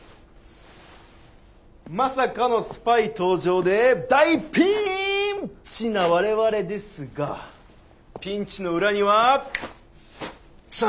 まさかのスパイ登場で大ピンチな我々ですがピンチの裏にはチャンスあり！